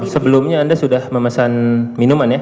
sebelumnya anda sudah memesan minuman ya